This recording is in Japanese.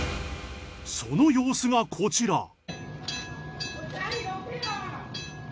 その様子がこちら。